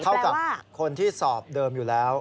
เท่ากับคนที่สอบเดิมอยู่แล้ว